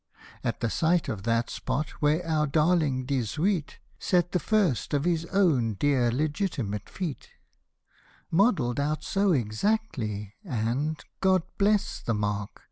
At the sight of that spot, where our darling DiXHUIT Set the first of his own dear legitimate feet, (Modelled out so exactly, and — God bless the mark